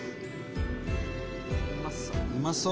うまそう！